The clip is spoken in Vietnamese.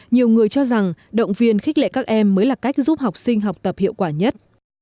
nhiều người cho rằng động viên khích lệ các em mới là cách giúp học sinh học tập hiệu quả nhất